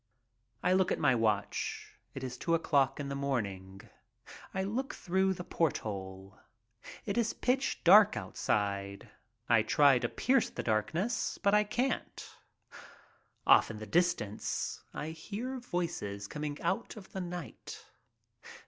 I look at my watch. It is two o'clock in the morning. I HELLO! ENGLAND 39 look through the porthole. It is pitch dark outside. I try to pierce the darkness, but can't. Off in the distance I hear voices coming out of the night.